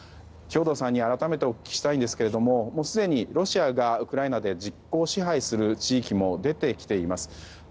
兵頭さんに改めてお聞きしたいんですけれどももうすでにロシアがウクライナで実効支配する地域も出てきています。